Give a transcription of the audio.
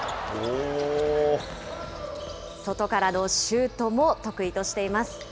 外からのシュートも得意としています。